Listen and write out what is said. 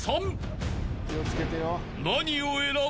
［何を選ぶ？］